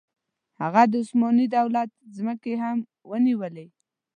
هغه د عثماني دولت ځمکې هم ونیولې.